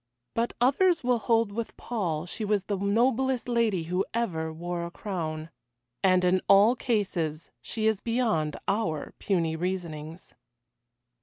But others will hold with Paul she was the noblest lady who ever wore a crown. And in all cases she is beyond our puny reasonings.